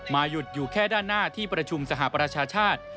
หยุดอยู่แค่ด้านหน้าที่ประชุมสหประชาชาติ